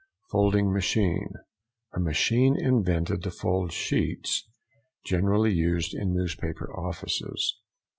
FOLDING MACHINE.—A machine invented to fold sheets, generally used in newspaper offices.